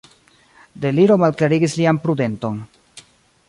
Deliro malklarigis lian prudenton.